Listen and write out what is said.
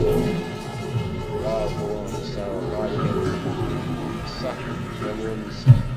D aḍu yesserɣayen i ten-id-iṣaḥen d amur-nsen.